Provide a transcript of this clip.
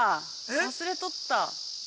忘れとった。